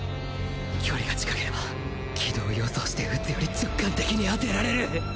距離が近ければ軌道予想して撃つより直感的に当てられる。